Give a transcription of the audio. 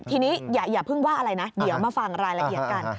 ทีนี้อย่าเพิ่งว่าอะไรนะเดี๋ยวมาฟังรายละเอียดกัน